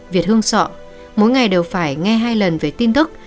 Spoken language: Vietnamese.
việt hương sọ mỗi ngày đều phải nghe hai lần về tin tức